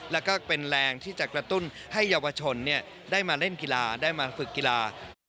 แล้วก็เป็นแรงที่จะกระตุ้นให้เยาวชนได้มาเล่นกีฬาได้มาฝึกกีฬา